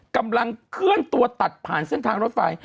กำลังเคลื่อนตัวตัดผ่านเส้นทางรถไฟ